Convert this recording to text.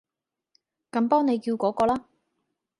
咁幫你叫嗰個啦